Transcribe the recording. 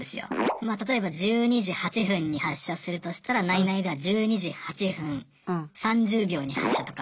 まあ例えば１２時８分に発車するとしたら内々では１２時８分３０秒に発車とか。